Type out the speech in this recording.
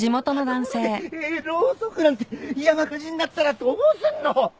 こんな所でろうそくなんて山火事になったらどうすんの！